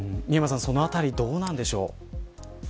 美山さんそのあたり、どうなんでしょう。